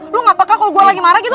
lu gak peka kalo gue lagi marah gitu